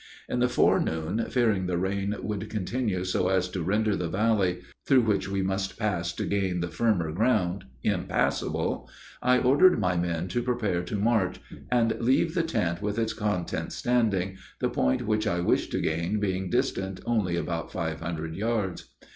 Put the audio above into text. In the forenoon, fearing the rain would continue so as to render the valley (through which we must pass to gain the firmer ground) impassible, I ordered my men to prepare to march, and leave the tent with its contents standing, the point which I wished to gain being distant only about five hundred yards.